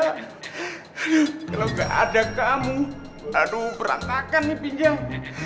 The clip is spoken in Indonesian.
aduh kalau gak ada kamu aduh perangkakan nih pinggang